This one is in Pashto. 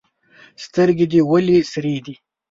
سترګي دي ولي سرې دي؟